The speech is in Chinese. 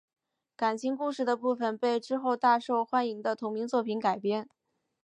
感情故事的部分被之后大受欢迎的同名作品改编。